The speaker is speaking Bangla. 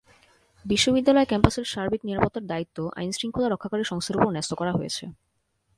বিশ্ববিদ্যালয় ক্যাম্পাসের সার্বিক নিরাপত্তার দায়িত্ব আইনশৃঙ্খলা রক্ষাকারী সংস্থার ওপর ন্যস্ত করা হয়েছে।